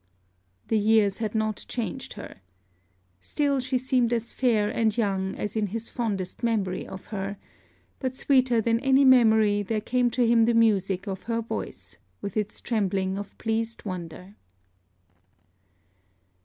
The years had not changed her. Still she seemed as fair and young as in his fondest memory of her; but sweeter than any memory there came to him the music of her voice, with its trembling of pleased wonder.